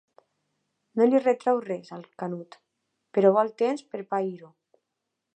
No li retreu res, al Canut, però vol temps per pair-ho.